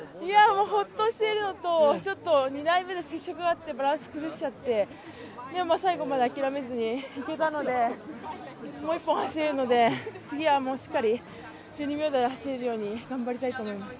ホッとしているのと、２台目で接触があってバランス崩しちゃって、でも最後まで諦めずにいけたのでもう１本走れるので、次はしっかり１２秒台で走れるように頑張りたいと思います。